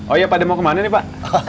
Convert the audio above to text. oh ya pada mau kemana nih pak